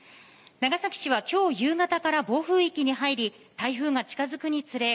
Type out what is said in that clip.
長崎市は今日夕方から暴風域に入り台風が近付くにつれ